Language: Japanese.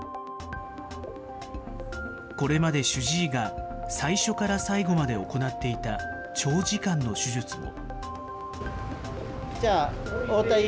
これまで主治医が最初から最後まで行っていた長時間の手術も。